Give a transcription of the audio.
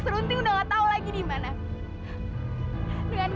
serunting udah nggak tahu lagi dimana dengan